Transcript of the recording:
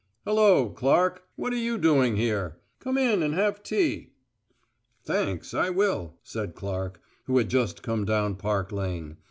Hullo, Clark! What are you doing here? Come in and have tea." "Thanks, I will," said Clark, who had just come down Park Lane.